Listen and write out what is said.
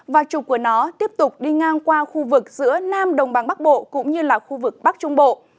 và trục của nó tiếp tục đi ngang qua khu vực giữa nam đồng bằng bắc bộ cũng như là khu vực bắc trung bộ